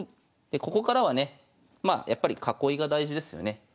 でここからはねまあやっぱり囲いが大事ですよね。